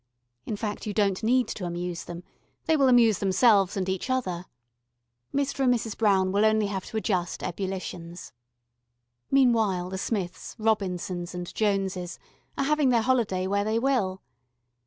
In fact, you don't need to amuse them they will amuse themselves and each other: Mr. and Mrs. Brown will only have to adjust ebullitions. Meanwhile the Smiths, Robinsons, and Joneses are having their holiday where they will.